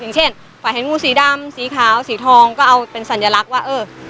อย่างเช่นฝ่ายเห็นงูสีดำสีขาวสีทองก็เอาเป็นสัญลักษณ์ว่าเออ